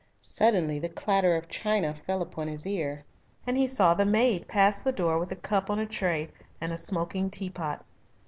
Suddenly the clatter of china fell upon his ear, and he saw the maid pass the door with a cup on a tray and a smoking teapot.